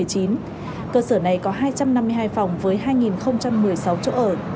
cơ sở này có hai trăm năm mươi hai phòng với hai một mươi sáu chỗ ở